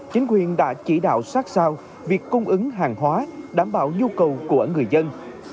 chính quyền đã chỉ đạo sát sao việc cung ứng hàng hóa đảm bảo nhu cầu của người dân